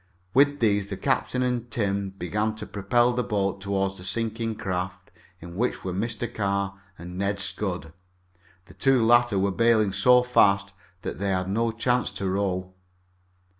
With these the captain and Tim began to propel the boat toward the sinking craft in which were Mr. Carr and Ned Scudd. The two latter were bailing so fast that they had no chance to row.